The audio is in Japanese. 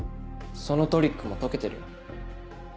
そのトリックも解けてるよ。